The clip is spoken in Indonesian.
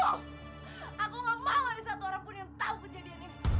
aku gak mau gak ada satu orang pun yang tahu kejadian ini